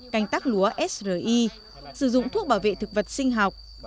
canh tắc lúa sri sử dụng thuốc bảo vệ thực vật sinh học